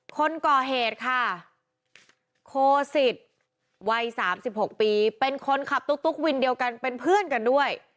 คนก่อเหตุค่ะโคสิตวัย๓๖ปีเป็นคนขับตุ๊กวินเดียวกันเป็นเพื่อนกันด้วย